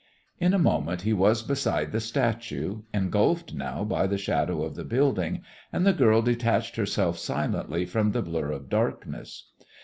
In a moment he was beside the statue, engulfed now by the shadow of the building, and the girl detached herself silently from the blur of darkness.